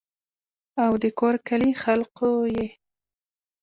او دَکور کلي خلقو ئې